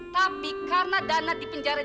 tapi karena dana dipenjarakan